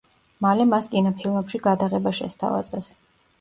მალე მას კინოფილმებში გადაღება შესთავაზეს.